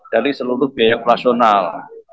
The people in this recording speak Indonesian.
dari seluruh biaya operasional